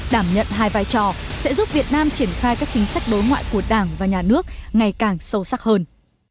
đảm nhận hai vai trò sẽ giúp việt nam triển khai các chính sách đối ngoại của đảng và nhà nước ngày càng sâu sắc hơn